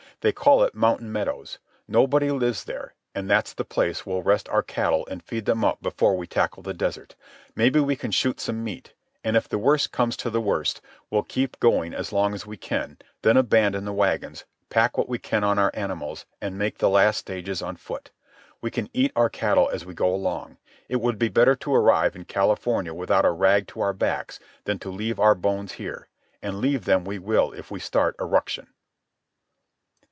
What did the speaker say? They call it Mountain Meadows. Nobody lives there, and that's the place we'll rest our cattle and feed them up before we tackle the desert. Maybe we can shoot some meat. And if the worst comes to the worst, we'll keep going as long as we can, then abandon the wagons, pack what we can on our animals, and make the last stages on foot. We can eat our cattle as we go along. It would be better to arrive in California without a rag to our backs than to leave our bones here; and leave them we will if we start a ruction."